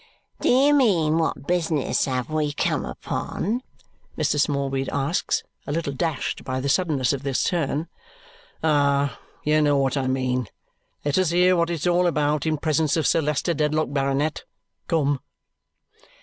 "Do you mean what business have we come upon?" Mr. Smallweed asks, a little dashed by the suddenness of this turn. "Ah! You know what I mean. Let us hear what it's all about in presence of Sir Leicester Dedlock, Baronet. Come."